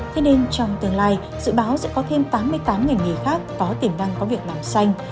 thế nên trong tương lai dự báo sẽ có thêm tám mươi tám ngành nghề khác có tiềm năng có việc làm xanh